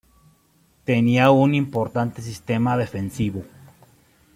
Tenía un importante sistema defensivo.